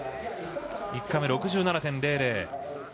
１回目、６７．００。